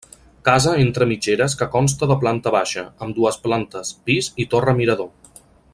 Casa entre mitgeres que consta de planta baixa, amb dues plantes pis i torre mirador.